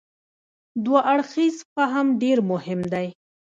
دوه اړخیز فهم ډېر مهم دی.